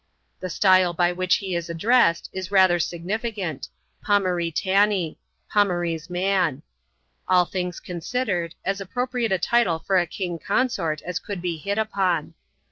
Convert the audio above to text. The style by which he is addressed is rather significant — Pomaree Tanee*' (Pomaree's man). All things eonsidered, as appropriate a title for a king consort as could be hit upon.